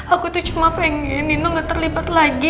aku tuh cuma pengen nino gak terlibat lagi